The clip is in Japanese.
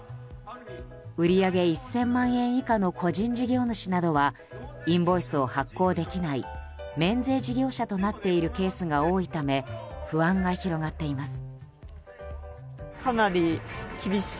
売り上げ１０００万円以下の個人事業主などはインボイスを発行できない免税事業者となっているケースが多いため不安が広がっています。